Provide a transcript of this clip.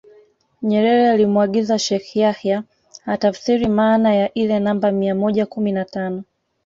Nyerere alimuagiza Sheikh Yahya atafsiri maana ya ile namba mia moja kumi na tano